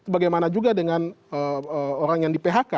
bagaimana juga dengan orang yang di phk